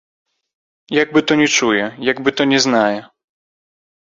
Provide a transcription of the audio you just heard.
Як бы то не чуе, як бы то не знае!